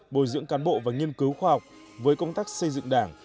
bồi dưỡng cán bộ và nghiên cứu khoa học với công tác xây dựng đảng